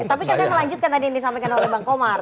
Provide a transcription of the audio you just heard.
tapi saya melanjutkan tadi yang disampaikan oleh bang komar